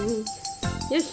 よし。